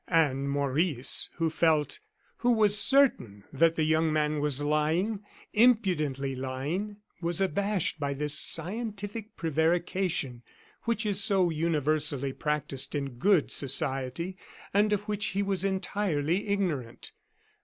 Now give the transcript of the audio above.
And Maurice, who felt who was certain that the young man was lying, impudently lying, was abashed by this scientific prevarication which is so universally practised in good society, and of which he was entirely ignorant.